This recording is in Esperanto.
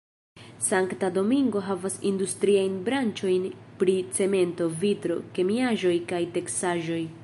Sankta Domingo havas industriajn branĉojn pri cemento, vitro, kemiaĵoj kaj teksaĵoj.